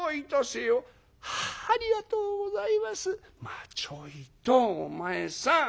「まあちょいとお前さん。